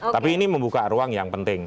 tapi ini membuka ruang yang penting